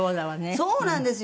そうなんですよ！